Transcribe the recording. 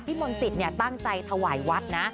พี่มนต์ศิษย์เนี่ยตั้งใจถวายวัดนะ